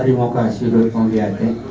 terima kasih dut maulid atik